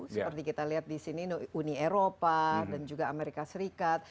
seperti kita lihat di sini uni eropa dan juga amerika serikat